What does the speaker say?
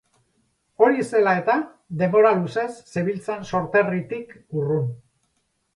Hori zela eta, denbora luzez zebiltzan sorterritik urrun.